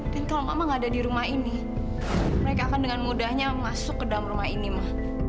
dan kalau mama gak ada di rumah ini mereka akan dengan mudahnya masuk ke dalam rumah ini ma